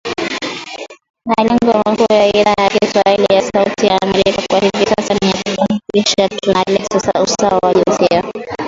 Malengo makuu ya Idhaa ya kiswahili ya Sauti ya Amerika kwa hivi sasa ni kuhakikisha tuna leta usawa wa jinsia